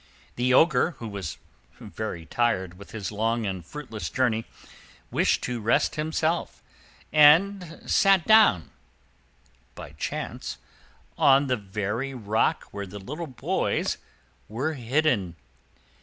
The Ogre, who was very tired with his long and fruitless journey, wished to rest himself, and sat down, by chance, on the very rock where the little boys were hidden.